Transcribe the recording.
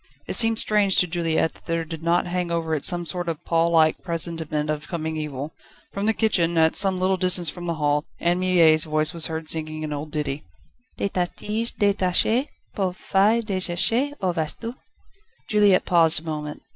It seemed strange to Juliette that there did not hang over it some sort of pall like presentiment of coming evil. From the kitchen, at some little distance from the hall, Anne Mie's voice was heard singing an old ditty: /* "De ta tige détachée Pauvre feuille désséchée Où vas tu?" */ Juliette paused a moment.